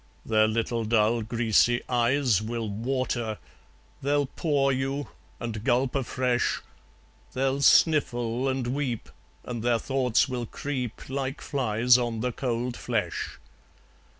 Their little dull greasy eyes will water; They'll paw you, and gulp afresh. They'll sniffle and weep, and their thoughts will creep Like flies on the cold flesh.